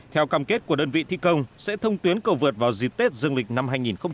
theo cam kết của đơn vị thi công sẽ thông tuyến cầu vượt vào dịp tết dương lịch năm hai nghìn hai mươi